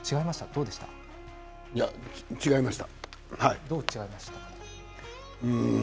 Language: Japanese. どう違いましたか？